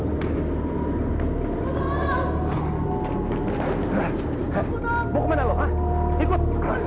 mau kemana lo ikut